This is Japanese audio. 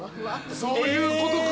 そういうことか。